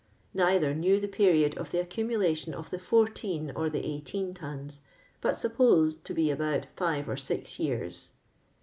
Neither knew the iwri^xl of the accumnlation of the fourteen or the ei«r1iti?en tonSf but supposed to be about live or six years.